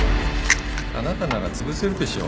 あなたならつぶせるでしょう。